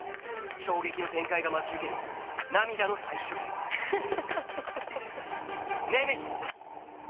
衝撃の展開が待ち受ける涙の最終回フフフ。